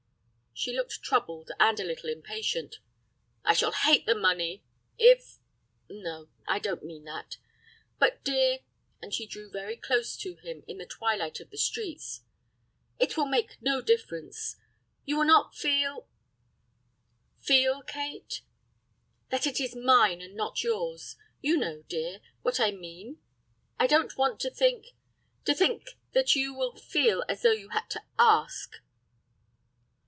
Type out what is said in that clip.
She looked troubled, and a little impatient. "I shall hate the money—if—no, I don't mean that. But, dear," and she drew very close to him in the twilight of the streets, "it will make no difference. You will not feel—?" "Feel, Kate?" "That it is mine, and not yours. You know, dear, what I mean. I don't want to think—to think that you will feel as though you had to ask."